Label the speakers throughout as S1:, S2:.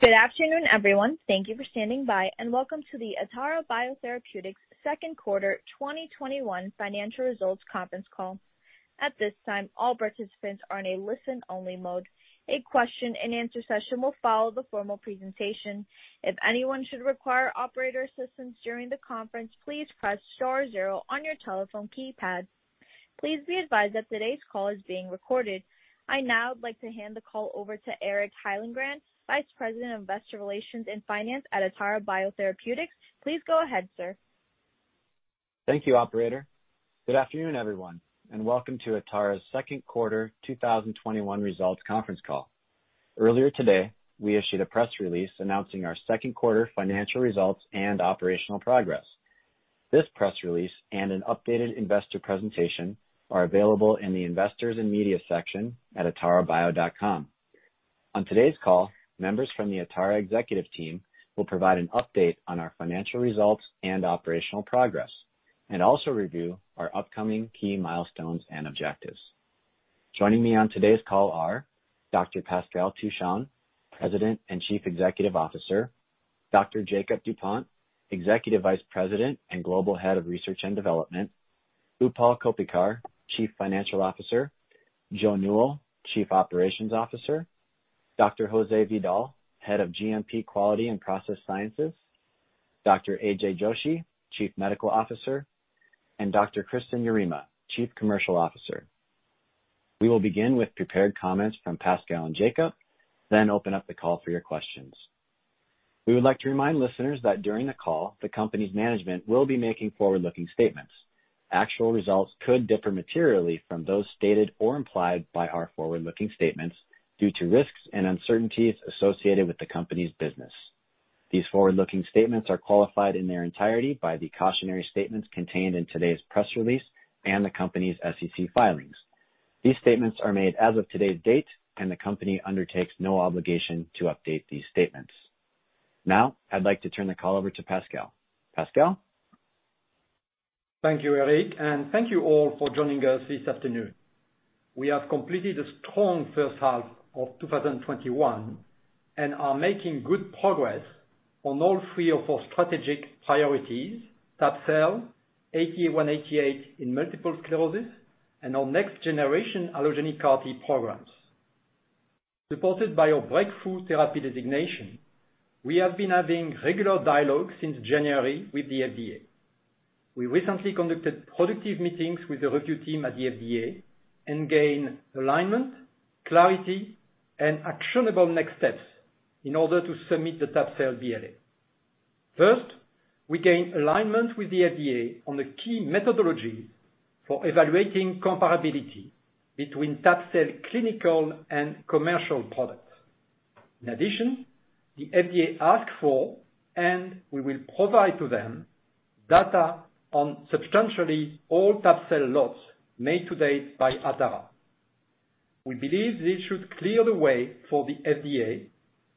S1: Good afternoon, everyone. Thank you for standing by, and welcome to the Atara Biotherapeutics second quarter 2021 financial results conference call. At this time, all participants are in a listen only mode. A question and answer session will follow the formal presentation. If anyone should require operator's assistance during the conference, please press star, zero on your telephone key pad. Please be advised that today's call is being recorded. I now would like to hand the call over to Eric Hyllengren, Vice President of Investor Relations and Finance at Atara Biotherapeutics. Please go ahead, sir.
S2: Thank you, operator. Good afternoon, everyone, and welcome to Atara's second quarter 2021 results conference call. Earlier today, we issued a press release announcing our second quarter financial results and operational progress. This press release and an updated investor presentation are available in the investors and media section at atarabio.com. On today's call, members from the Atara executive team will provide an update on our financial results and operational progress, and also review our upcoming key milestones and objectives. Joining me on today's call are Dr. Pascal Touchon, President and Chief Executive Officer, Dr. Jakob Dupont, Executive Vice President and Global Head of Research and Development, Utpal Koppikar, Chief Financial Officer, Joe Newell, Chief Operations Officer, Dr. Jose Vidal, Head of GMP Quality and Process Sciences, Dr. AJ Joshi, Chief Medical Officer, and Dr. Kristin Yarema, Chief Commercial Officer. We will begin with prepared comments from Pascal and Jakob, then open up the call for your questions. We would like to remind listeners that during the call, the company's management will be making forward-looking statements. Actual results could differ materially from those stated or implied by our forward-looking statements due to risks and uncertainties associated with the company's business. These forward-looking statements are qualified in their entirety by the cautionary statements contained in today's press release and the company's SEC filings. These statements are made as of today's date, and the company undertakes no obligation to update these statements. Now, I'd like to turn the call over to Pascal. Pascal?
S3: Thank you, Eric, and thank you all for joining us this afternoon. We have completed a strong first half of 2021 and are making good progress on all three of our strategic priorities, tab-cel, ATA188 in multiple sclerosis, and our next generation allogeneic CAR T programs. Supported by our breakthrough therapy designation, we have been having regular dialogue since January with the FDA. We recently conducted productive meetings with the review team at the FDA and gained alignment, clarity, and actionable next steps in order to submit the tab-cel BLA. First, we gained alignment with the FDA on the key methodologies for evaluating comparability between tab-cel clinical and commercial products. In addition, the FDA asked for, and we will provide to them, data on substantially all tab-cel lots made to date by Atara. We believe this should clear the way for the FDA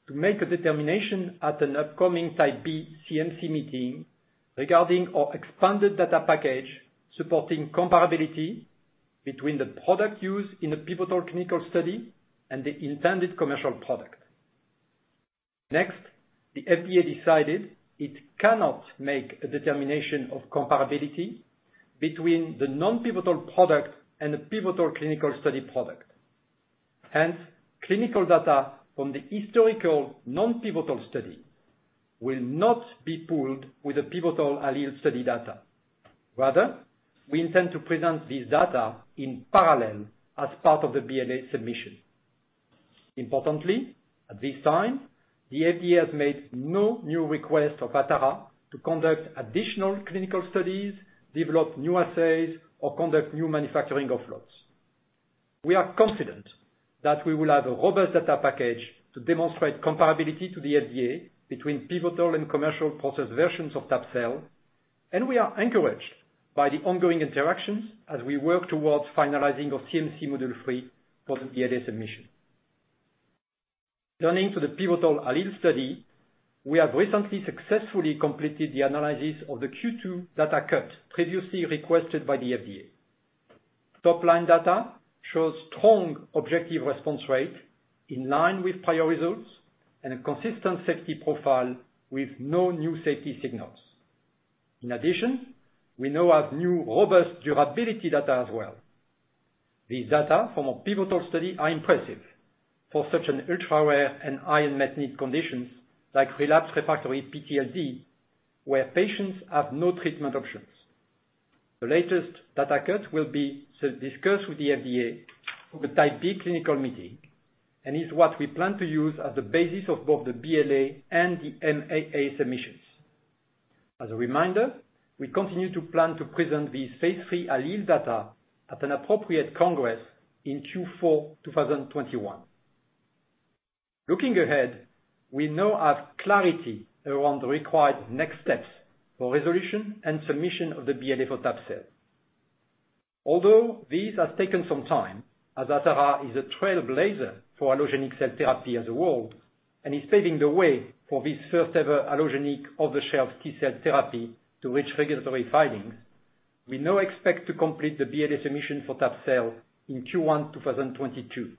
S3: to make a determination at an upcoming Type B CMC meeting regarding our expanded data package supporting comparability between the product used in the pivotal clinical study and the intended commercial product. Next, the FDA decided it cannot make a determination of comparability between the non-pivotal product and the pivotal clinical study product. Hence, clinical data from the historical non-pivotal study will not be pooled with the pivotal ALLELE study data. Rather, we intend to present this data in parallel as part of the BLA submission. Importantly, at this time, the FDA has made no new request of Atara to conduct additional clinical studies, develop new assays, or conduct new manufacturing of lots. We are confident that we will have a robust data package to demonstrate comparability to the FDA between pivotal and commercial process versions of tab-cel. We are encouraged by the ongoing interactions as we work towards finalizing our CMC Module 3 for the BLA submission. Turning to the pivotal ALLELE study, we have recently successfully completed the analysis of the Q2 data cut previously requested by the FDA. Top-line data shows strong objective response rate in line with prior results and a consistent safety profile with no new safety signals. We now have new robust durability data as well. These data from our pivotal study are impressive for such an ultra-rare and high unmet need conditions like relapsed refractory PTLD, where patients have no treatment options. The latest data cut will be discussed with the FDA for the Type B clinical meeting and is what we plan to use as the basis of both the BLA and the MAA submissions. As a reminder, we continue to plan to present these phase III ALLELE data at an appropriate congress in Q4 2021. Looking ahead, we now have clarity around the required next steps for resolution and submission of the BLA for tab-cel. Although this has taken some time, as Atara is a trailblazer for allogeneic cell therapy as a whole and is paving the way for this first-ever allogeneic off-the-shelf T-cell therapy to reach regulatory filings. We now expect to complete the BLA submission for tab-cel in Q1 2022.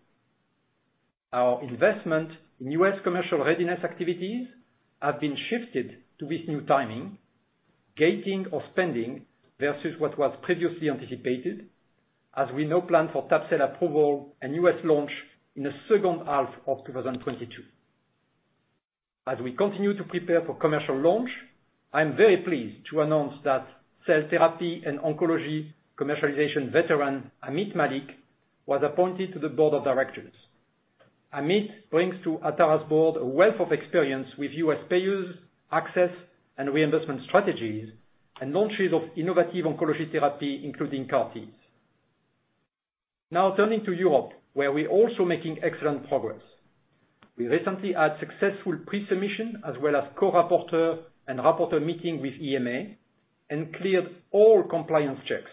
S3: Our investment in U.S. commercial readiness activities have been shifted to this new timing, gating of spending versus what was previously anticipated, as we now plan for tab-cel approval and U.S. launch in the second half of 2022. As we continue to prepare for commercial launch, I am very pleased to announce that cell therapy and oncology commercialization veteran, Ameet Mallik, was appointed to the board of directors. Ameet brings to Atara's board a wealth of experience with U.S. payors, access, and reimbursement strategies, and launches of innovative oncology therapy, including CAR Ts. Turning to Europe, where we're also making excellent progress. We recently had successful pre-submission as well as co-rapporteur and rapporteur meeting with EMA, and cleared all compliance checks.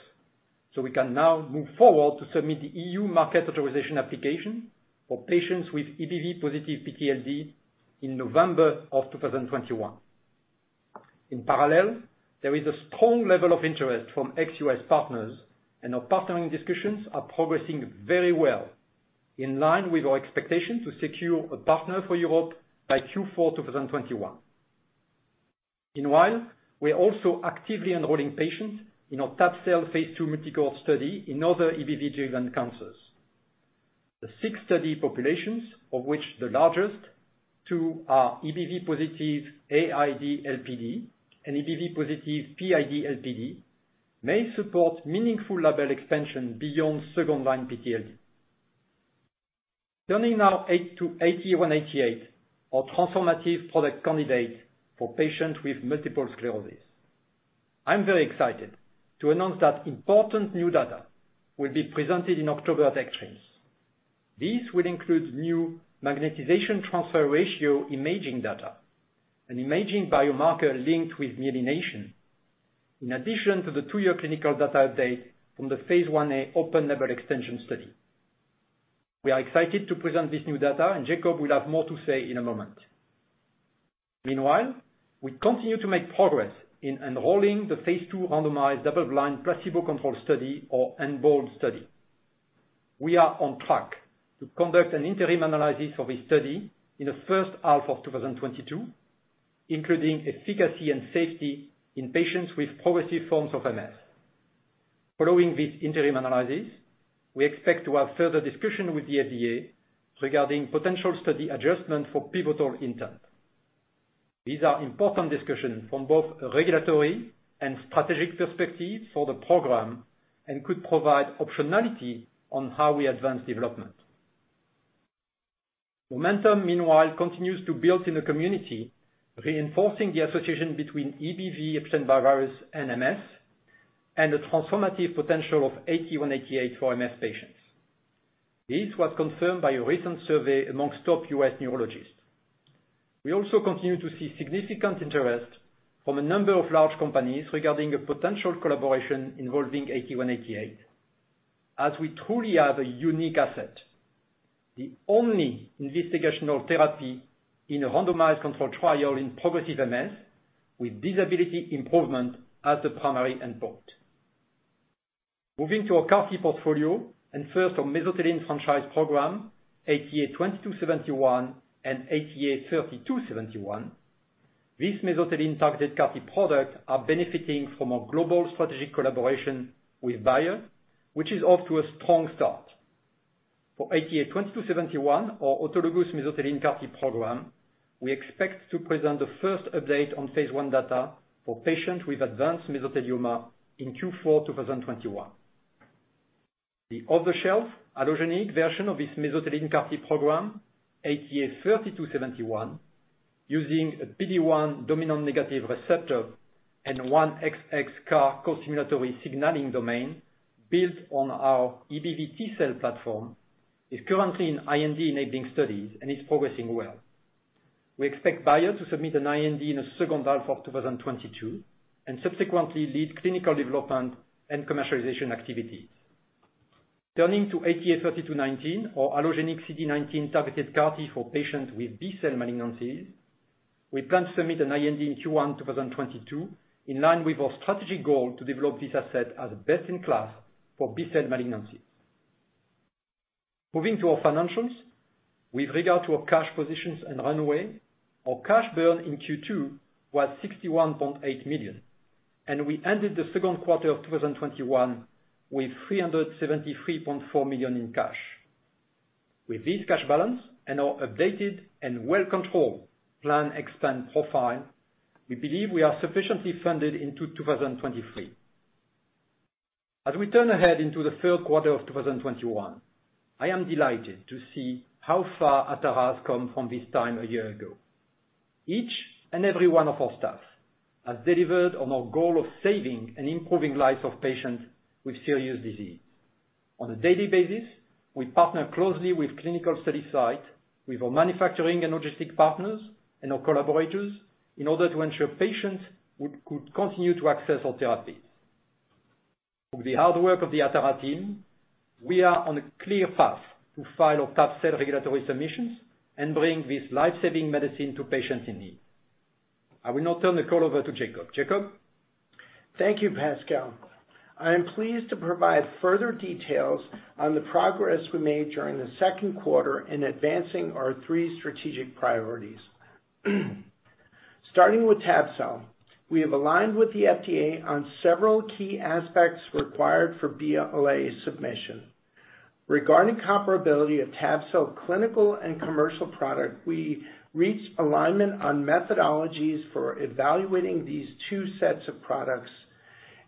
S3: We can now move forward to submit the EU Marketing Authorization Application for patients with EBV-positive PTLD in November of 2021. In parallel, there is a strong level of interest from ex-U.S. partners, and our partnering discussions are progressing very well, in line with our expectation to secure a partner for Europe by Q4 2021. Meanwhile, we are also actively enrolling patients in our tab-cel phase II multicohort study in other EBV-driven cancers. The six study populations, of which the largest two are EBV-positive AID LPD and EBV-positive PID LPD, may support meaningful label expansion beyond second-line PTLD. Turning now to ATA188, our transformative product candidate for patients with multiple sclerosis. I am very excited to announce that important new data will be presented in October at ECTRIMS. This will include new magnetization transfer ratio imaging data, an imaging biomarker linked with myelination. In addition to the two-year clinical data update from the phase Ia open-label extension study. We are excited to present this new data, and Jakob will have more to say in a moment. Meanwhile, we continue to make progress in enrolling the phase II randomized double-blind placebo-controlled study, or EMBOLD study. We are on track to conduct an interim analysis of this study in the first half of 2022, including efficacy and safety in patients with progressive forms of MS. Following this interim analysis, we expect to have further discussion with the FDA regarding potential study adjustment for pivotal intent. These are important discussions from both a regulatory and strategic perspective for the program, and could provide optionality on how we advance development. Momentum, meanwhile, continues to build in the community, reinforcing the association between EBV Epstein-Barr virus and MS, and the transformative potential of ATA188 for MS patients. This was confirmed by a recent survey amongst top U.S. neurologists. We also continue to see significant interest from a number of large companies regarding a potential collaboration involving ATA188, as we truly have a unique asset. The only investigational therapy in a randomized controlled trial in progressive MS, with disability improvement as the primary endpoint. Moving to our CAR T portfolio, first our mesothelin franchise program, ATA2271 and ATA3271. These mesothelin-targeted CAR T products are benefiting from a global strategic collaboration with Bayer, which is off to a strong start. For ATA2271, our autologous mesothelin CAR T program, we expect to present the first update on phase I data for patients with advanced mesothelioma in Q4 2021. The off-the-shelf allogeneic version of this mesothelin CAR T program, ATA3271, using a PD-1 dominant negative receptor and 1XX CAR costimulatory signaling domain built on our EBV T-cell platform, is currently in IND-enabling studies and is progressing well. We expect Bayer to submit an IND in the second half of 2022, and subsequently lead clinical development and commercialization activities. Turning to ATA3219, our allogeneic CD19-targeted CAR T for patients with B-cell malignancies. We plan to submit an IND in Q1 2022, in line with our strategic goal to develop this asset as best in class for B-cell malignancies. Moving to our financials. With regard to our cash positions and runway, our cash burn in Q2 was $61.8 million, and we ended the second quarter of 2021 with $373.4 million in cash. With this cash balance and our updated and well-controlled plan expense profile, we believe we are sufficiently funded into 2023. As we turn ahead into the third quarter of 2021, I am delighted to see how far Atara has come from this time a year ago. Each and every one of our staff have delivered on our goal of saving and improving lives of patients with serious disease. On a daily basis, we partner closely with clinical study site, with our manufacturing and logistics partners, and our collaborators, in order to ensure patients could continue to access our therapies. Through the hard work of the Atara team, we are on a clear path to file our tab-cel regulatory submissions and bring this life-saving medicine to patients in need. I will now turn the call over to Jakob. Jakob?
S4: Thank you, Pascal. I am pleased to provide further details on the progress we made during the second quarter in advancing our three strategic priorities. Starting with tab-cel, we have aligned with the FDA on several key aspects required for BLA submission. Regarding comparability of tab-cel clinical and commercial product, we reached alignment on methodologies for evaluating these two sets of products.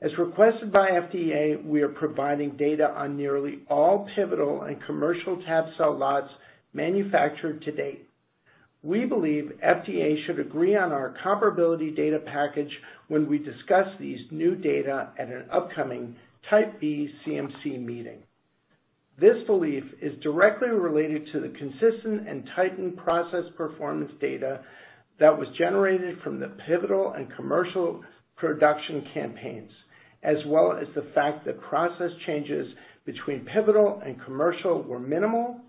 S4: As requested by FDA, we are providing data on nearly all pivotal and commercial tab-cel lots manufactured to date. We believe FDA should agree on our comparability data package when we discuss these new data at an upcoming Type B CMC meeting. This belief is directly related to the consistent and tightened process performance data that was generated from the pivotal and commercial production campaigns, as well as the fact that process changes between pivotal and commercial were minimal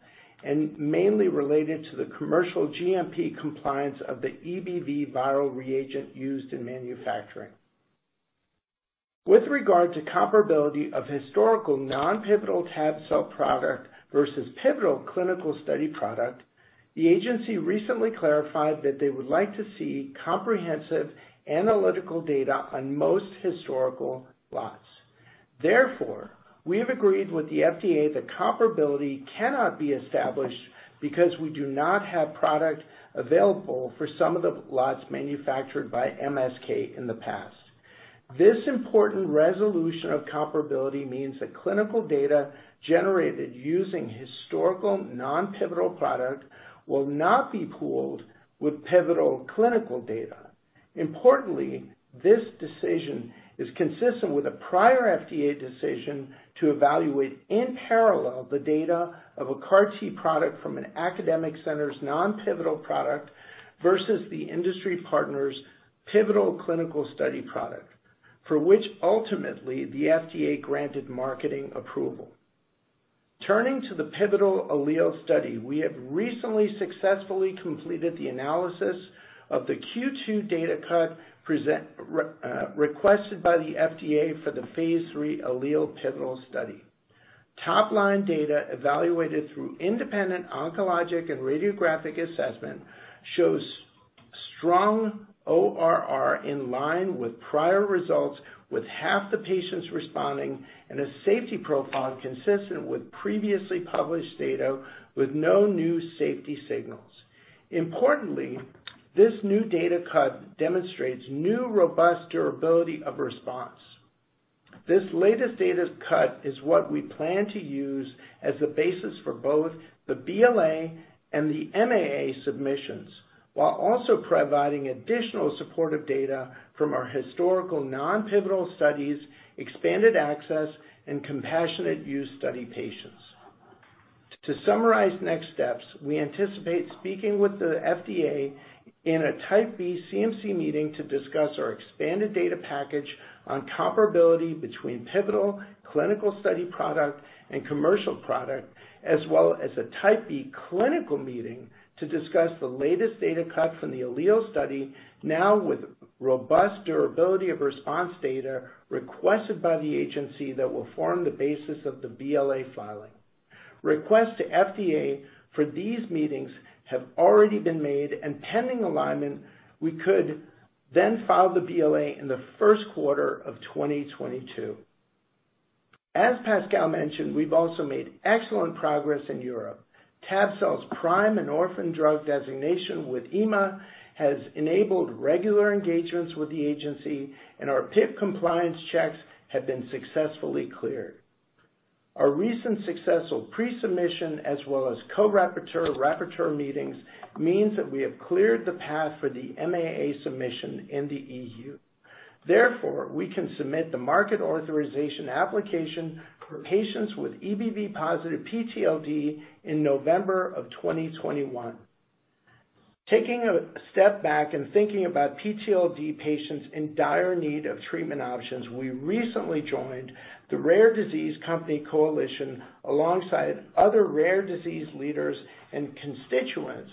S4: and mainly related to the commercial GMP compliance of the EBV viral reagent used in manufacturing. With regard to comparability of historical non-pivotal tab-cel product versus pivotal clinical study product, the agency recently clarified that they would like to see comprehensive analytical data on most historical lots. Therefore, we have agreed with the FDA that comparability cannot be established because we do not have product available for some of the lots manufactured by MSK in the past. This important resolution of comparability means that clinical data generated using historical non-pivotal product will not be pooled with pivotal clinical data. Importantly, this decision is consistent with a prior FDA decision to evaluate in parallel the data of a CAR T product from an academic center's non-pivotal product versus the industry partner's pivotal clinical study product, for which ultimately the FDA granted marketing approval. Turning to the pivotal ALLELE study, we have recently successfully completed the analysis of the Q2 data cut requested by the FDA for the phase III ALLELE pivotal study. Top-line data evaluated through independent oncologic and radiographic assessment shows strong ORR in line with prior results, with half the patients responding and a safety profile consistent with previously published data with no new safety signals. Importantly, this new data cut demonstrates new robust durability of response. This latest data cut is what we plan to use as the basis for both the BLA and the MAA submissions, while also providing additional supportive data from our historical non-pivotal studies, expanded access, and compassionate use study patients. To summarize next steps, we anticipate speaking with the FDA in a Type B CMC meeting to discuss our expanded data package on comparability between pivotal clinical study product and commercial product, as well as a Type B clinical meeting to discuss the latest data cut from the ALLELE study, now with robust durability of response data requested by the agency that will form the basis of the BLA filing. Requests to FDA for these meetings have already been made, pending alignment, we could then file the BLA in the first quarter of 2022. As Pascal mentioned, we've also made excellent progress in Europe. Tab-cel's PRIME and Orphan Drug Designation with EMA has enabled regular engagements with the agency, and our PIP compliance checks have been successfully cleared. Our recent successful pre-submission as well as co-rapporteur, rapporteur meetings means that we have cleared the path for the MAA submission in the EU. We can submit the market authorization application for patients with EBV+ PTLD in November of 2021. Taking a step back and thinking about PTLD patients in dire need of treatment options, we recently joined the Rare Disease Company Coalition alongside other rare disease leaders and constituents,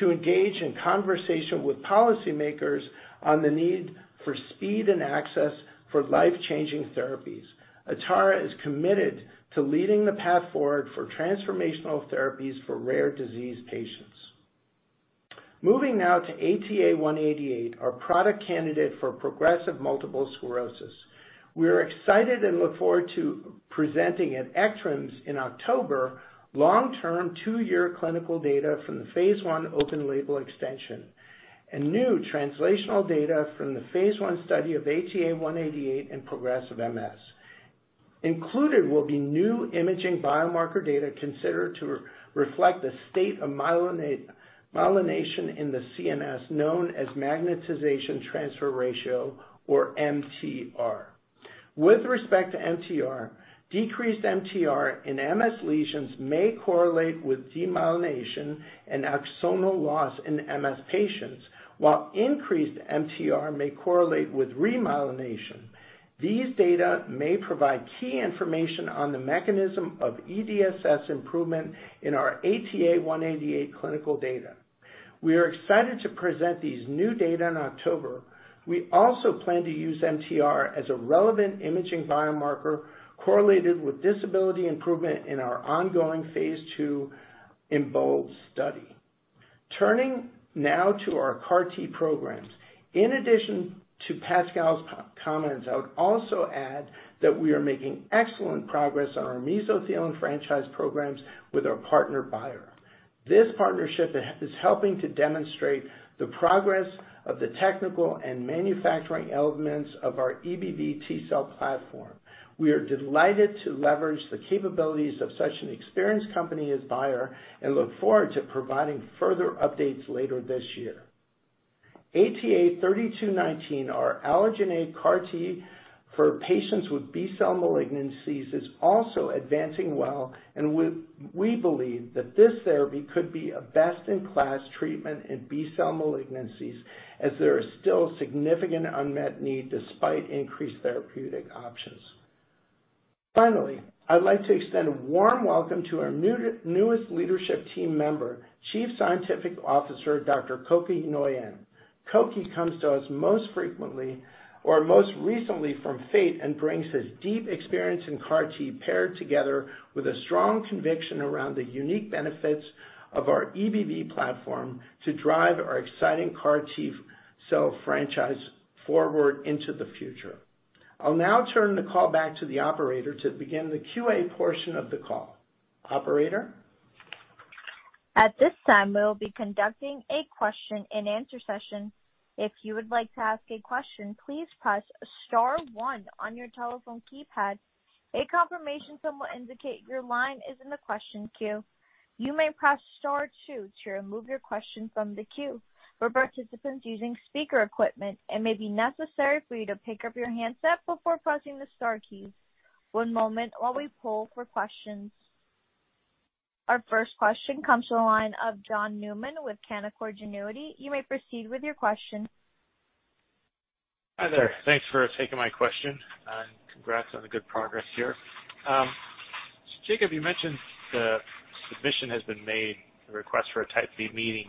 S4: to engage in conversation with policymakers on the need for speed and access for life-changing therapies. Atara is committed to leading the path forward for transformational therapies for rare disease patients. Moving now to ATA188, our product candidate for progressive multiple sclerosis. We are excited and look forward to presenting at ECTRIMS in October, long-term two-year clinical data from the phase I open label extension, and new translational data from the phase I study of ATA188 in progressive MS. Included will be new imaging biomarker data considered to reflect the state of myelination in the CNS, known as magnetization transfer ratio or MTR. With respect to MTR, decreased MTR in MS lesions may correlate with demyelination and axonal loss in MS patients, while increased MTR may correlate with remyelination. These data may provide key information on the mechanism of EDSS improvement in our ATA188 clinical data. We are excited to present these new data in October. We also plan to use MTR as a relevant imaging biomarker correlated with disability improvement in our ongoing phase II EMBOLD study. Turning now to our CAR T programs. In addition to Pascal's comments, I would also add that we are making excellent progress on our mesothelin franchise programs with our partner, Bayer. This partnership is helping to demonstrate the progress of the technical and manufacturing elements of our EBV T-cell platform. We are delighted to leverage the capabilities of such an experienced company as Bayer and look forward to providing further updates later this year. ATA3219, our allogeneic CAR T for patients with B-cell malignancies, is also advancing well, and we believe that this therapy could be a best-in-class treatment in B-cell malignancies as there is still significant unmet need despite increased therapeutic options. Finally, I'd like to extend a warm welcome to our newest leadership team member, Chief Scientific Officer, Dr. Cokey Nguyen. Cokey comes to us most recently from Fate and brings his deep experience in CAR T, paired together with a strong conviction around the unique benefits of our EBV platform to drive our exciting CAR T-cell franchise forward into the future. I'll now turn the call back to the operator to begin the Q&A portion of the call. Operator?
S1: At tis time, we will be conducting a question and answer session. If you would like to ask a question, please press star, one on your telephone keypad. A confirmation form will indicate your line is in the question queue. You may press star, two to remove your question from the queue. For participants using speaker equipment and may be necessary for you to pick up your handset before closing the star key. One moment while we pull for questions. Our first question comes from the line of John Newman with Canaccord Genuity. You may proceed with your question.
S5: Hi there. Thanks for taking my question, and congrats on the good progress here. Jakob, you mentioned the submission has been made, the request for a Type B meeting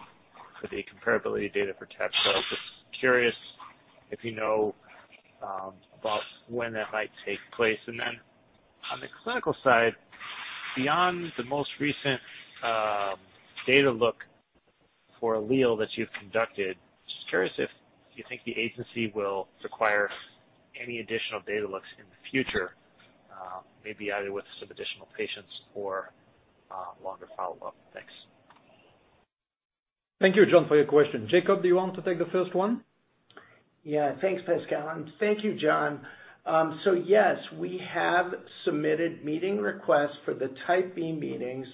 S5: for the comparability data for tab-cel. I was just curious if you know about when that might take place? On the clinical side, beyond the most recent data look for ALLELE that you've conducted, just curious if you think the agency will require any additional data looks in the future, maybe either with some additional patients or longer follow-up. Thanks.
S3: Thank you, John, for your question. Jakob, do you want to take the first one?
S4: Thanks, Pascal. Thank you, John. Yes, we have submitted meeting requests for the Type B meetings,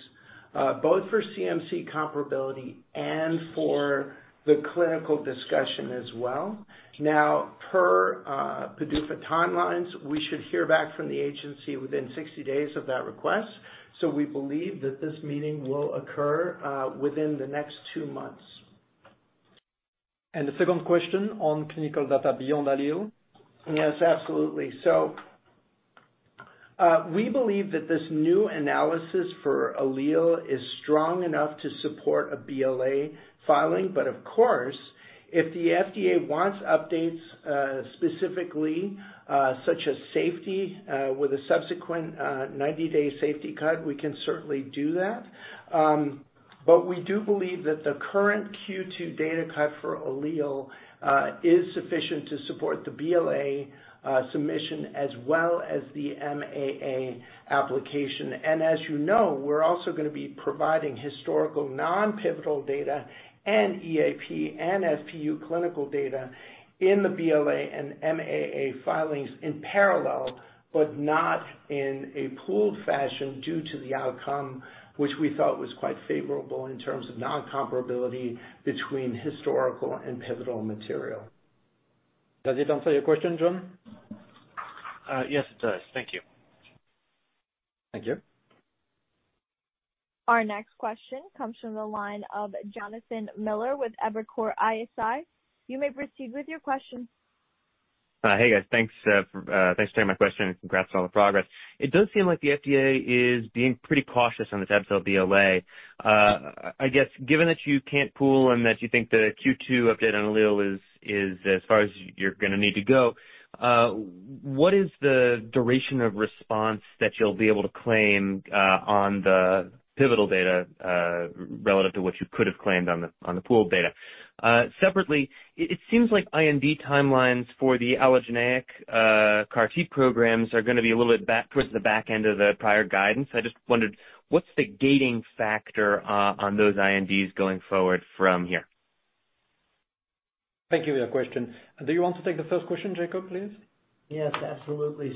S4: both for CMC comparability and for the clinical discussion as well. Per PDUFA timelines, we should hear back from the agency within 60 days of that request. We believe that this meeting will occur within the next two months.
S3: The second question on clinical data beyond ALLELE?
S4: Yes, absolutely. We believe that this new analysis for ALLELE is strong enough to support a BLA filing. Of course, if the FDA wants updates, specifically such as safety with a subsequent 90-day safety cut, we can certainly do that. We do believe that the current Q2 data cut for ALLELE is sufficient to support the BLA submission as well as the MAA application. As you know, we're also going to be providing historical non-pivotal data and EAP and SPU clinical data in the BLA and MAA filings in parallel, but not in a pooled fashion due to the outcome, which we thought was quite favorable in terms of non-comparability between historical and pivotal material.
S3: Does it answer your question, John?
S5: Yes, it does. Thank you.
S3: Thank you.
S1: Our next question comes from the line of Jonathan Miller with Evercore ISI. You may proceed with your question.
S6: Hey, guys. Thanks for taking my question, and congrats on all the progress. It does seem like the FDA is being pretty cautious on the tab-cel BLA. I guess given that you can't pool and that you think the Q2 update on ALLELE is as far as you're going to need to go, what is the duration of response that you'll be able to claim on the pivotal data, relative to what you could have claimed on the pooled data? Separately, it seems like IND timelines for the allogeneic CAR T programs are going to be a little bit towards the back end of the prior guidance. I just wondered, what's the gating factor on those INDs going forward from here?
S3: Thank you for your question. Do you want to take the first question, Jakob, please?
S4: Yes, absolutely.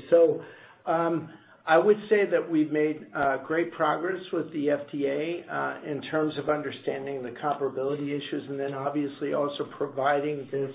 S4: I would say that we've made great progress with the FDA in terms of understanding the comparability issues and then obviously also providing this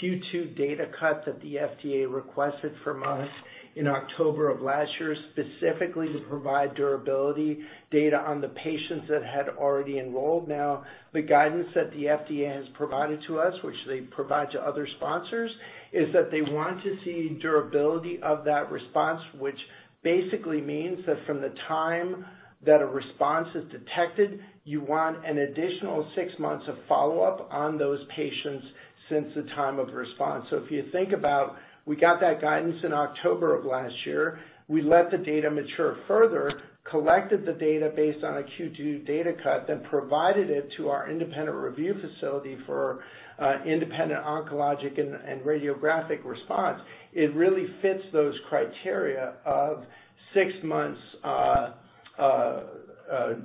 S4: Q2 data cut that the FDA requested from us in October of last year, specifically to provide durability data on the patients that had already enrolled. The guidance that the FDA has provided to us, which they provide to other sponsors, is that they want to see durability of that response, which basically means that from the time that a response is detected, you want an additional six months of follow-up on those patients since the time of response. If you think about it, we got that guidance in October of last year. We let the data mature further, collected the data based on a Q2 data cut, then provided it to our independent review facility for independent oncologic and radiographic response. It really fits those criteria of six months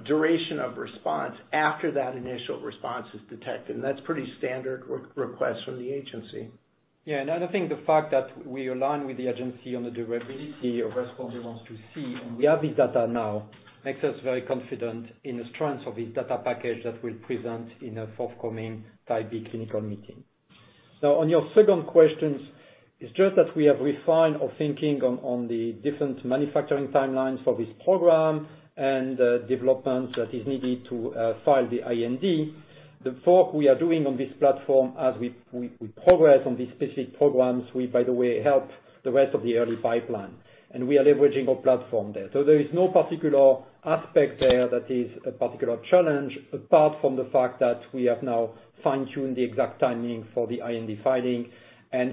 S4: duration of response after that initial response is detected, and that's a pretty standard request from the agency.
S3: I think the fact that we align with the agency on the durability of response they want to see, we have this data now, makes us very confident in the strength of this data package that we'll present in a forthcoming Type B clinical meeting. On your second question, it's just that we have refined our thinking on the different manufacturing timelines for this program and development that is needed to file the IND. The work we are doing on this platform as we progress on these specific programs, we, by the way, help the rest of the early pipeline. We are leveraging our platform there. There is no particular aspect there that is a particular challenge apart from the fact that we have now fine-tuned the exact timing for the IND filing.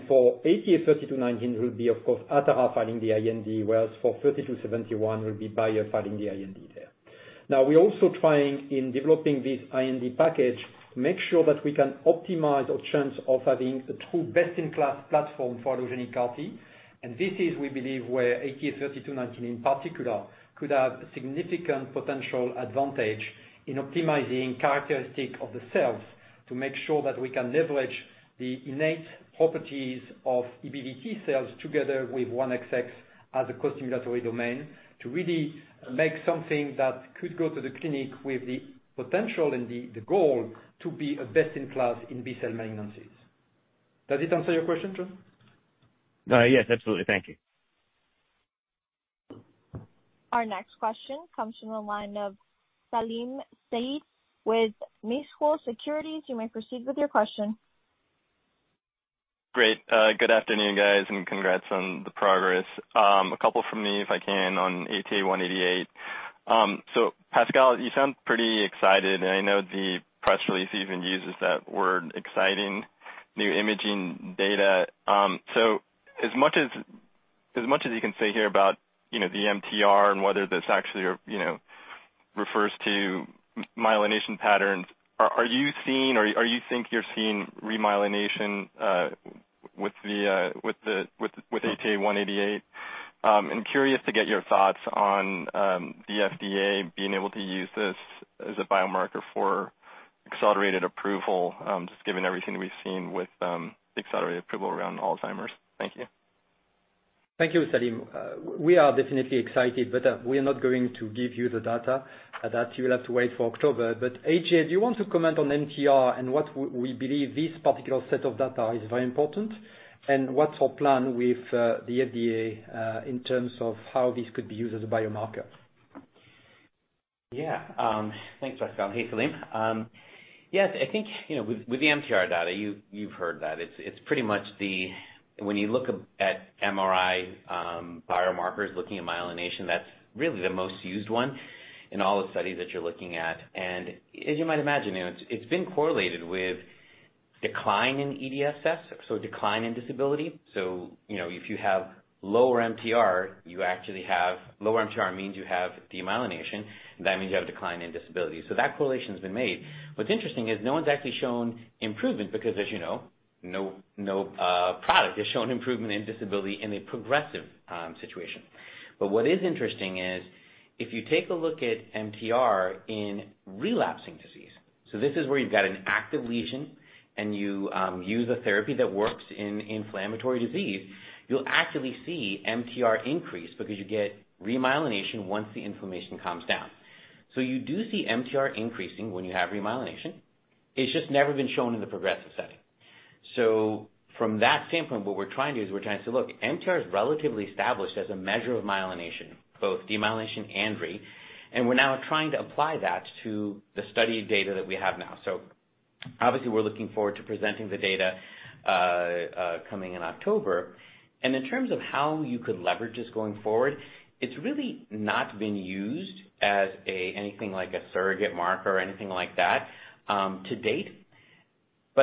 S3: For ATA3219, it will be, of course, Atara filing the IND, whereas for ATA3271, it will be Bayer filing the IND there. We're also trying, in developing this IND package, to make sure that we can optimize our chance of having a true best-in-class platform for allogeneic CAR T. This is, we believe, where ATA3219 in particular could have a significant potential advantage in optimizing characteristics of the cells to make sure that we can leverage the innate properties of EBV T-cells together with 1XX as a costimulatory domain to really make something that could go to the clinic with the potential and the goal to be a best-in-class in B-cell malignancies. Does it answer your question, John?
S6: Yes, absolutely. Thank you.
S1: Our next question comes from the line of Salim Syed with Mizuho Securities. You may proceed with your question.
S7: Good afternoon, guys, and congrats on the progress. A couple from me, if I can, on ATA188. Pascal, you sound pretty excited, and I know the press release even uses that word, exciting, new imaging data. As much as you can say here about the MTR and whether this actually refers to myelination patterns, are you seeing, or you think you're seeing remyelination with ATA188? I'm curious to get your thoughts on the FDA being able to use this as a biomarker for accelerated approval, just given everything we've seen with the accelerated approval around Alzheimer's. Thank you.
S3: Thank you, Salim. We are definitely excited, we are not going to give you the data. For that, you will have to wait for October. AJ, do you want to comment on MTR and what we believe this particular set of data is very important, and what's our plan with the FDA in terms of how this could be used as a biomarker?
S8: Thanks, Pascal. Hey, Salim. Yes, I think with the MTR data, you've heard that. It's pretty much when you look at MRI biomarkers looking at myelination, that's really the most used one in all the studies that you're looking at. As you might imagine, it's been correlated with decline in EDSS, so decline in disability. If you have lower MTR, lower MTR means you have demyelination, that means you have a decline in disability. That correlation's been made. What's interesting is no one's actually shown improvement because as you know, no product has shown improvement in disability in a progressive situation. What is interesting is if you take a look at MTR in relapsing disease, this is where you've got an active lesion, and you use a therapy that works in inflammatory disease, you'll actually see MTR increase because you get remyelination once the inflammation calms down. You do see MTR increasing when you have remyelination. It's just never been shown in the progressive setting. From that standpoint, what we're trying to do is we're trying to say, look, MTR is relatively established as a measure of myelination, both demyelination and we're now trying to apply that to the study data that we have now. Obviously, we're looking forward to presenting the data coming in October. In terms of how you could leverage this going forward, it's really not been used as anything like a surrogate marker or anything like that to date.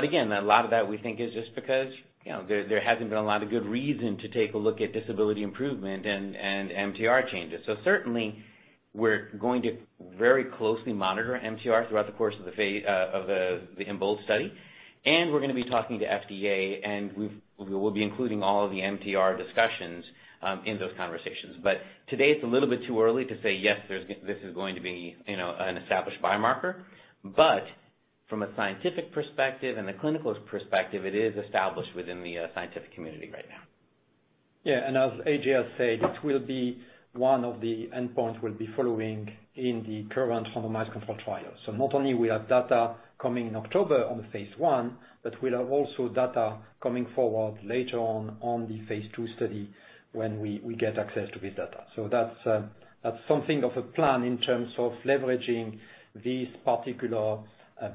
S8: Again, a lot of that we think is just because there hasn't been a lot of good reason to take a look at disability improvement and MTR changes. Certainly, we're going to very closely monitor MTR throughout the course of the EMBOLD study, and we're going to be talking to FDA, and we'll be including all of the MTR discussions in those conversations. Today it's a little bit too early to say, yes, this is going to be an established biomarker. From a scientific perspective and a clinical perspective, it is established within the scientific community right now.
S3: As AJ has said, it will be one of the endpoints we'll be following in the current randomized control trial. Not only we have data coming in October on the phase I, but we'll have also data coming forward later on the phase II study when we get access to this data. That's something of a plan in terms of leveraging this particular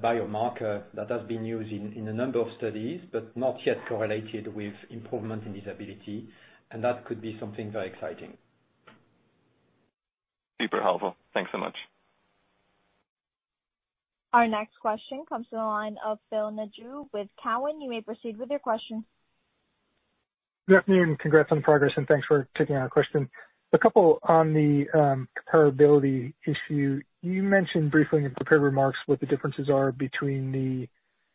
S3: biomarker that has been used in a number of studies, but not yet correlated with improvement in disability, and that could be something very exciting.
S7: Super helpful. Thanks so much.
S1: Our next question comes to the line of Phil Nadeau with Cowen. You may proceed with your question.
S9: Good afternoon, congrats on progress and thanks for taking our question. A couple on the comparability issue. You mentioned briefly in your prepared remarks what the differences are between the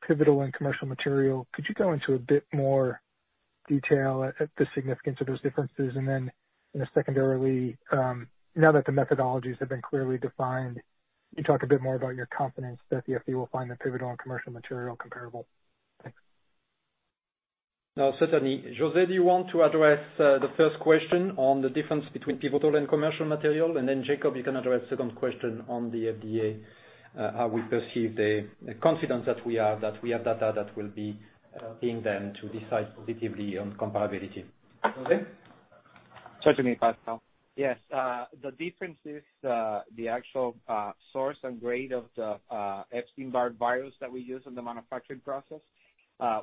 S9: pivotal and commercial material. Could you go into a bit more detail at the significance of those differences? Then, secondarily, now that the methodologies have been clearly defined, can you talk a bit more about your confidence that the FDA will find the pivotal and commercial material comparable? Thanks.
S3: Certainly. Jose, do you want to address the first question on the difference between pivotal and commercial material? Jakob, you can address the second question on the FDA, how we perceive the confidence that we have that we have data that will be seeing them to decide positively on comparability. Jose?
S10: Certainly, Pascal. Yes. The difference is the actual source and grade of the Epstein-Barr virus that we use in the manufacturing process.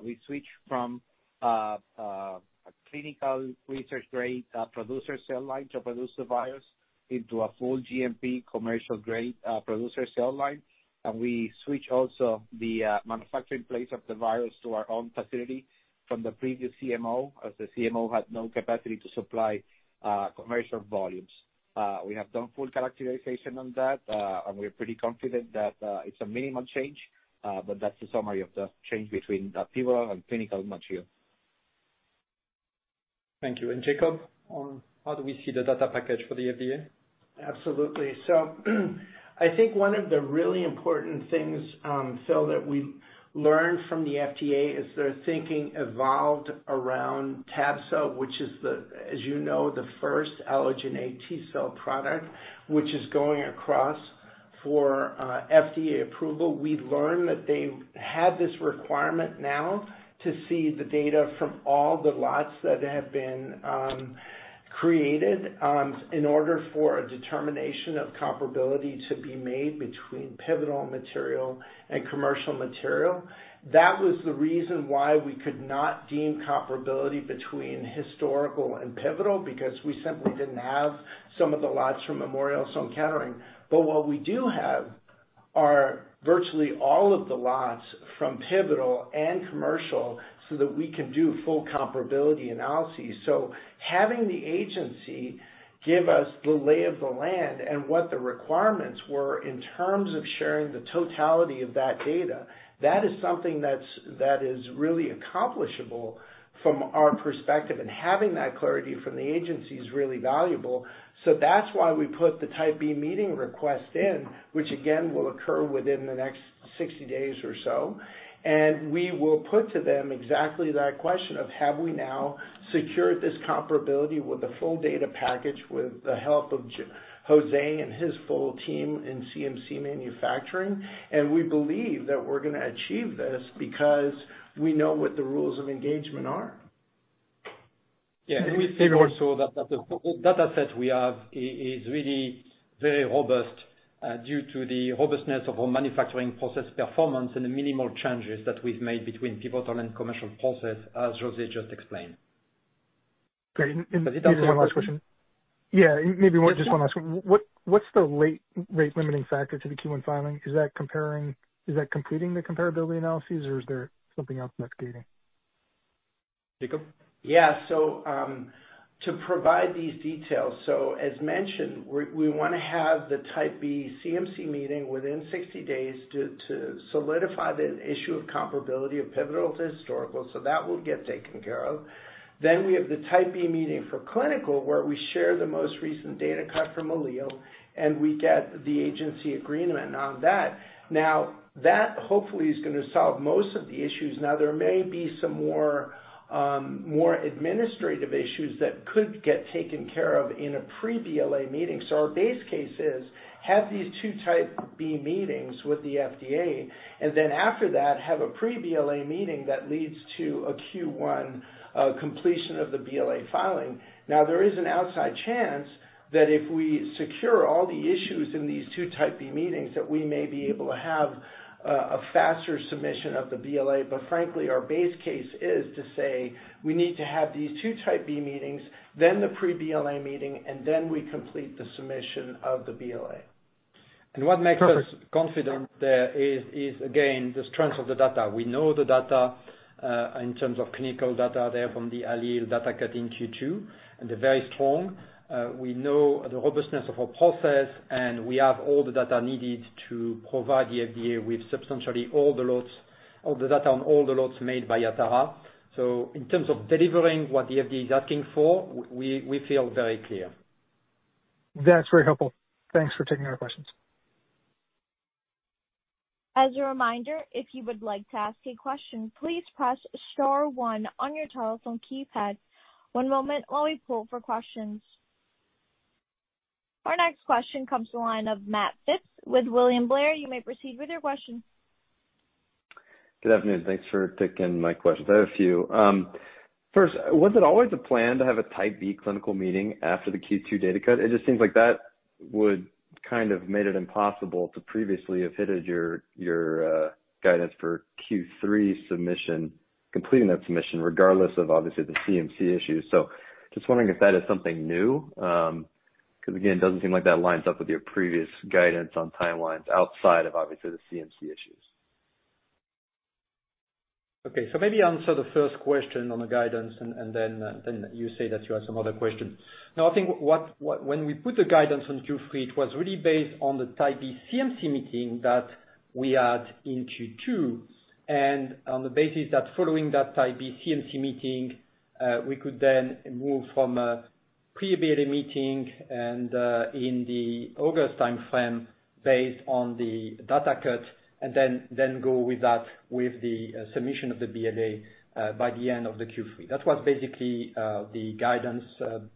S10: We switch from a clinical research grade producer cell line to produce the virus into a full GMP commercial grade producer cell line. We switch also the manufacturing place of the virus to our own facility from the previous CMO, as the CMO had no capacity to supply commercial volumes. We have done full characterization on that, and we are pretty confident that it's a minimal change, but that's the summary of the change between the pivotal and clinical material.
S3: Thank you. Jakob, on how do we see the data package for the FDA?
S4: Absolutely. I think one of the really important things, Phil, that we learned from the FDA is their thinking evolved around tab-cel, which is, as you know, the first allogeneic T-cell product, which is going across for FDA approval. We've learned that they have this requirement now to see the data from all the lots that have been created in order for a determination of comparability to be made between pivotal material and commercial material. That was the reason why we could not deem comparability between historical and pivotal, because we simply didn't have some of the lots from Memorial Sloan Kettering. What we do have are virtually all of the lots from pivotal and commercial so that we can do full comparability analyses. Having the agency give us the lay of the land and what the requirements were in terms of sharing the totality of that data, that is something that is really accomplishable from our perspective. Having that clarity from the agency is really valuable. That's why we put the Type B meeting request in, which again, will occur within the next 60 days or so. We will put to them exactly that question of have we now secured this comparability with a full data package with the help of Jose and his full team in CMC manufacturing? We believe that we're going to achieve this because we know what the rules of engagement are.
S3: Yeah. We say also that the data set we have is really very robust due to the robustness of our manufacturing process performance and the minimal changes that we've made between pivotal and commercial process, as Jose just explained.
S9: Great. Maybe just one last question.
S3: Does it answer your question?
S9: Yeah, maybe just one last one. What is the rate limiting factor to the Q1 filing? Is that completing the comparability analyses, or is there something else that is gating?
S3: Jakob?
S4: Yeah. To provide these details, as mentioned, we want to have the Type B CMC meeting within 60 days to solidify the issue of comparability of pivotal to historical, so that will get taken care of. We have the Type B meeting for clinical, where we share the most recent data cut from ALLELE and we get the agency agreement on that. That hopefully is going to solve most of the issues. There may be some more administrative issues that could get taken care of in a pre-BLA meeting. Our base case is have these two Type B meetings with the FDA, and then after that, have a pre-BLA meeting that leads to a Q1 completion of the BLA filing. There is an outside chance that if we secure all the issues in these two Type B meetings, that we may be able to have a faster submission of the BLA. Frankly, our base case is to say we need to have these two Type B meetings, then the pre-BLA meeting, and then we complete the submission of the BLA.
S9: Perfect.
S3: What makes us confident there is, again, the strength of the data. We know the data in terms of clinical data there from the ALLELE data cut in Q2, and they're very strong. We know the robustness of our process, and we have all the data needed to provide the FDA with substantially all the data on all the lots made by Atara. In terms of delivering what the FDA is asking for, we feel very clear.
S9: That's very helpful. Thanks for taking our questions.
S1: As a reminder, if you would like to ask a question, please press star, one on your telephone keypad. One moment while we poll for questions. Our next question comes to the line of Matt Phipps with William Blair. You may proceed with your question.
S11: Good afternoon. Thanks for taking my questions. I have a few. First, was it always a plan to have a Type B clinical meeting after the Q2 data cut? It just seems like that would kind of made it impossible to previously have hit your guidance for Q3 submission, completing that submission, regardless of, obviously, the CMC issues. Just wondering if that is something new, because again, it doesn't seem like that lines up with your previous guidance on timelines outside of, obviously, the CMC issues.
S3: Okay. Maybe answer the first question on the guidance and then you say that you have some other questions. I think when we put the guidance on Q3, it was really based on the Type B CMC meeting that we had in Q2, and on the basis that following that Type B CMC meeting, we could then move from a pre-BLA meeting and in the August timeframe based on the data cut, and then go with that with the submission of the BLA by the end of the Q3. That was basically the guidance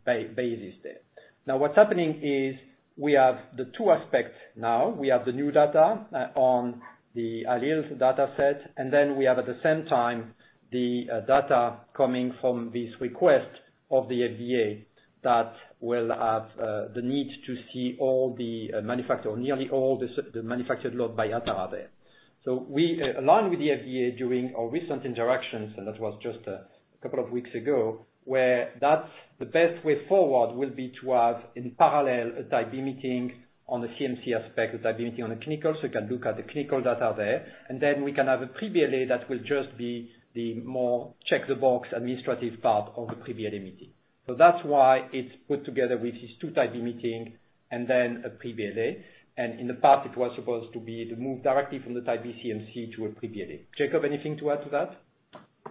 S3: basis there. What's happening is we have the two aspects now. We have the new data on the ALLELE data set, and then we have at the same time the data coming from this request of the FDA that will have the need to see all the manufactured load by Atara there. We aligned with the FDA during our recent interactions, and that was just a couple of weeks ago, where that's the best way forward will be to have in parallel a Type B meeting on the CMC aspect, a Type B meeting on the clinical, so we can look at the clinical data there, and then we can have a pre-BLA that will just be the more check-the-box administrative part of the pre-BLA meeting. That's why it's put together with these two Type B meeting and then a pre-BLA. In the past, it was supposed to be the move directly from the Type B CMC to a pre-BLA. Jakob, anything to add to that?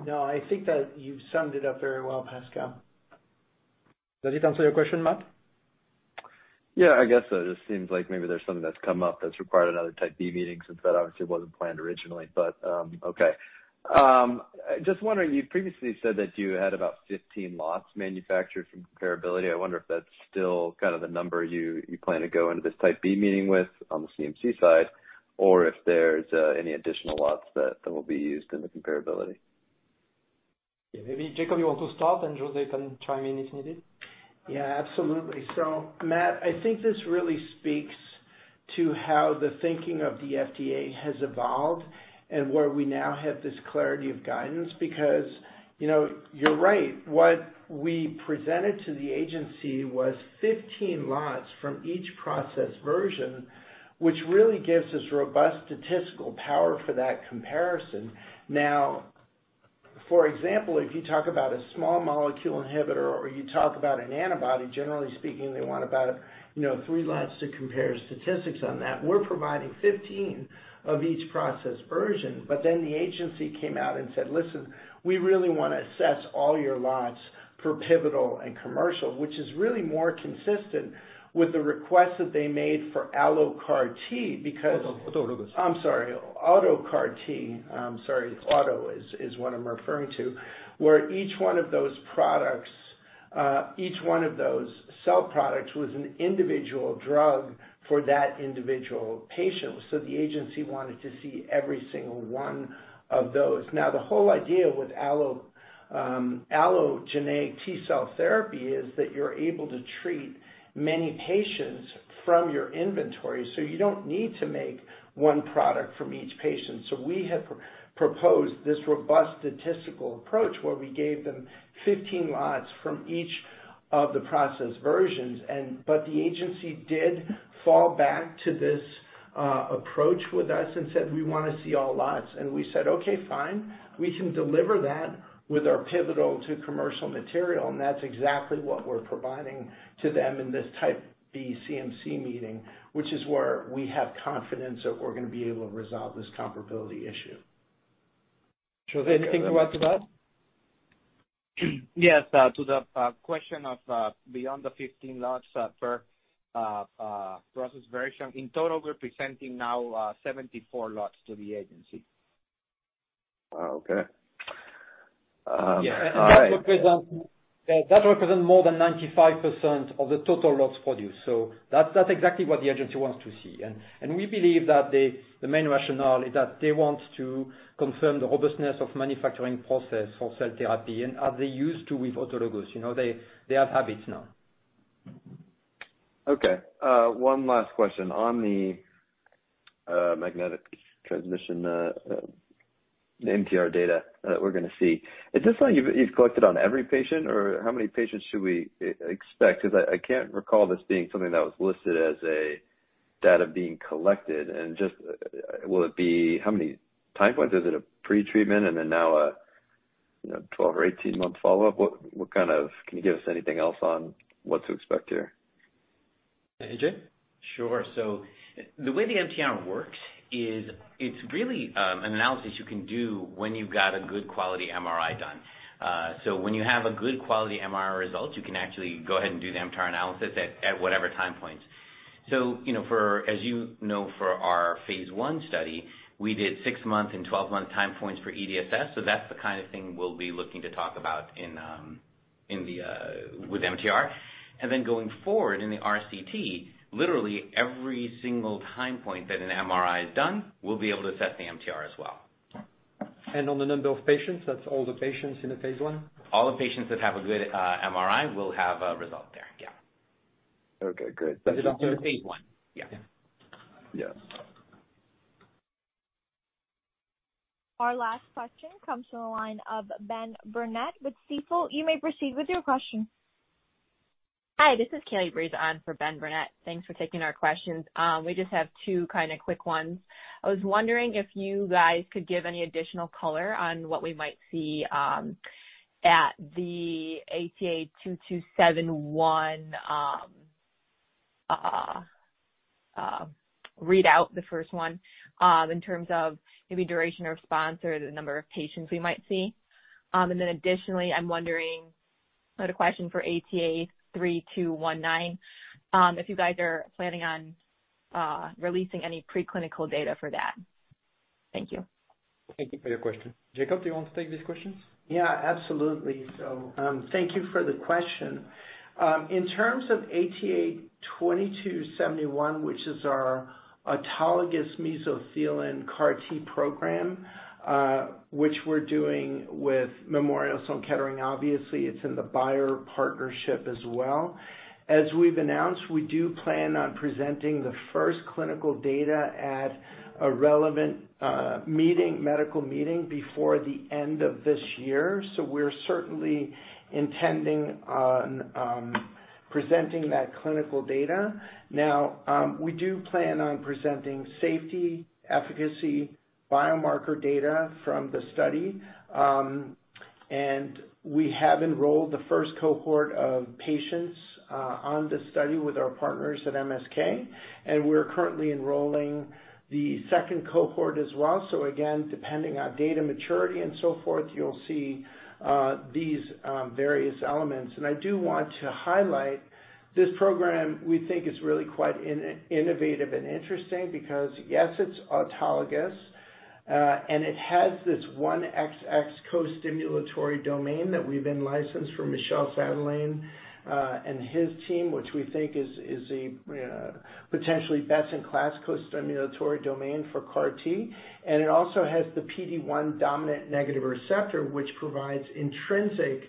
S4: No, I think that you've summed it up very well, Pascal.
S3: Does it answer your question, Matt?
S11: Yeah, I guess so. Just seems like maybe there's something that's come up that's required another Type B meeting, since that obviously wasn't planned originally, but okay. Just wondering, you previously said that you had about 15 lots manufactured for comparability. I wonder if that's still kind of the number you plan to go into this Type B meeting with on the CMC side, or if there's any additional lots that will be used in the comparability.
S3: Yeah. Maybe Jakob, you want to start and Jose can chime in if needed.
S4: Yeah, absolutely. Matt, I think this really speaks to how the thinking of the FDA has evolved and where we now have this clarity of guidance because you're right. What we presented to the agency was 15 lots from each process version, which really gives us robust statistical power for that comparison. For example, if you talk about a small molecule inhibitor or you talk about an antibody, generally speaking, they want about three lots to compare statistics on that. We're providing 15 of each process version. The agency came out and said, "Listen, we really want to assess all your lots for pivotal and commercial," which is really more consistent with the request that they made for AlloCAR T because-
S3: Autologous.
S4: I'm sorry, AutoCAR T. I'm sorry, autologous is what I'm referring to, where each one of those products, each one of those cell products was an individual drug for that individual patient. The agency wanted to see every single one of those. Now, the whole idea with allogeneic T-cell therapy is that you're able to treat many patients from your inventory, so you don't need to make one product from each patient. We have proposed this robust statistical approach where we gave them 15 lots from each of the process versions. The agency did fall back to this approach with us and said, "We want to see all lots." We said, "Okay, fine. We can deliver that with our pivotal to commercial material." That's exactly what we're providing to them in this Type B CMC meeting, which is where we have confidence that we're going to be able to resolve this comparability issue.
S3: Jose, anything to add to that?
S10: Yes. To the question of beyond the 15 lots per process version, in total, we're presenting now 74 lots to the agency.
S11: Wow, okay. All right.
S3: Yeah. That represent more than 95% of the total lots produced. That's exactly what the agency wants to see. We believe that the main rationale is that they want to confirm the robustness of manufacturing process for cell therapy and as they used to with autologous. They have habits now.
S11: Okay. One last question. On the magnetization transfer MTR data that we're going to see, is this something you've collected on every patient, or how many patients should we expect? I can't recall this being something that was listed as a data being collected, and just will it be how many time points? Is it a pre-treatment and then now a 12 or 18-month follow-up? Can you give us anything else on what to expect here?
S3: AJ?
S8: Sure. The way the MTR works is it's really an analysis you can do when you've got a good quality MRI done. When you have a good quality MRI result, you can actually go ahead and do the MTR analysis at whatever time points. As you know for our phase I study, we did six-month and 12-month time points for EDSS, so that's the kind of thing we'll be looking to talk about with MTR. Going forward in the RCT, literally every single time point that an MRI is done, we'll be able to assess the MTR as well.
S3: On the number of patients, that's all the patients in the phase I?
S8: All the patients that have a good MRI will have a result there. Yeah.
S11: Okay, good.
S8: This is through phase I. Yeah.
S11: Yes.
S1: Our last question comes from the line of Ben Burnett with Stifel. You may proceed with your question.
S12: Hi, this is Kelly Bruz on for Ben Burnett. Thanks for taking our questions. We just have two quick ones. I was wondering if you guys could give any additional color on what we might see, at the ATA2271 readout, the first one, in terms of maybe duration of response or the number of patients we might see. Additionally, I'm wondering, I had a question for ATA3219, if you guys are planning on releasing any preclinical data for that. Thank you.
S3: Thank you for your question. Jakob, do you want to take these questions?
S4: Yeah, absolutely. Thank you for the question. In terms of ATA2271, which is our autologous mesothelin CAR T program, which we're doing with Memorial Sloan Kettering, obviously it's in the Bayer partnership as well. As we've announced, we do plan on presenting the first clinical data at a relevant medical meeting before the end of this year. We're certainly intending on presenting that clinical data. Now, we do plan on presenting safety, efficacy, biomarker data from the study. We have enrolled the first cohort of patients on this study with our partners at MSK, and we're currently enrolling the second cohort as well. Again, depending on data maturity and so forth, you'll see these various elements. I do want to highlight, this program, we think, is really quite innovative and interesting because, yes, it's autologous, and it has this 1XX co-stimulatory domain that we've been licensed from Michel Sadelain and his team, which we think is a potentially best-in-class co-stimulatory domain for CAR T. It also has the PD-1 dominant negative receptor, which provides intrinsic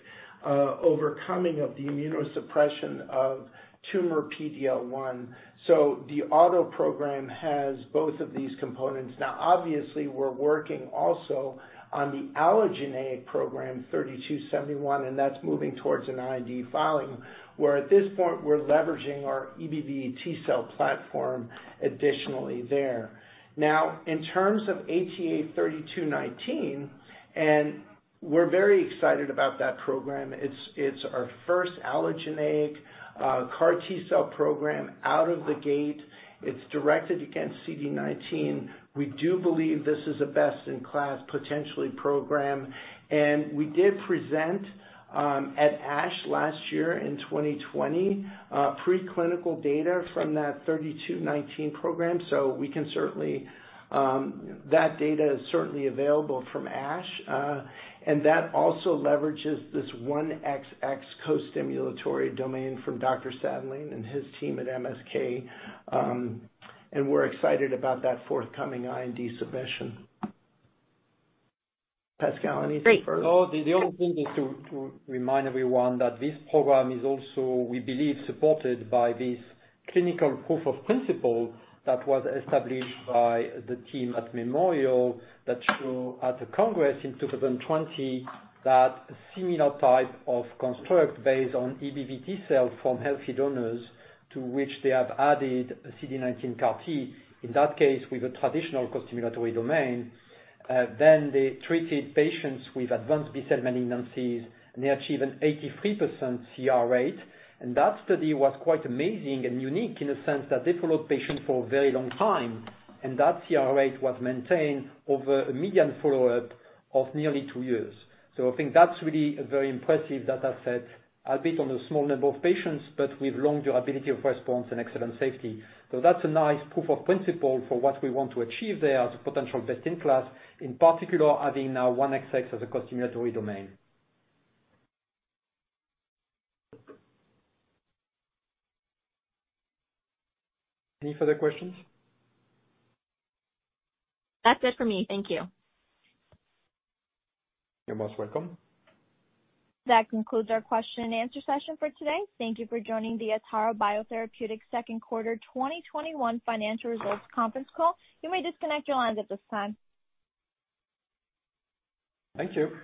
S4: overcoming of the immunosuppression of tumor PD-L1. The auto program has both of these components. Obviously, we're working also on the allogeneic program, ATA3271, and that's moving towards an IND filing, where at this point we're leveraging our EBV T-cell platform additionally there. In terms of ATA3219, and we're very excited about that program. It's our first allogeneic CAR T-cell program out of the gate. It's directed against CD19. We do believe this is a best-in-class, potentially, program. We did present at ASH last year in 2020, preclinical data from that ATA3219 program. That data is certainly available from ASH. That also leverages this 1XX co-stimulatory domain from Dr. Sadelain and his team at MSK. We're excited about that forthcoming IND submission. Pascal, anything further?
S3: No. The only thing is to remind everyone that this program is also, we believe, supported by this clinical proof of principle that was established by the team at Memorial that show at the Congress in 2020 that a similar type of construct based on EBV T-cells from healthy donors to which they have added CD19 CAR T, in that case, with a traditional co-stimulatory domain. They treated patients with advanced B-cell malignancies, they achieved an 83% CR rate. That study was quite amazing and unique in a sense that they followed patients for a very long time, and that CR rate was maintained over a median follow-up of nearly two years. I think that's really very impressive that said, a bit on a small number of patients, but with long durability of response and excellent safety. That's a nice proof of principle for what we want to achieve there as a potential best-in-class, in particular, adding now 1XX as a co-stimulatory domain. Any further questions?
S12: That's it for me. Thank you.
S3: You're most welcome.
S1: That concludes our question and answer session for today. Thank you for joining the Atara Biotherapeutics second quarter 2021 financial results conference call. You may disconnect your lines at this time.
S3: Thank you.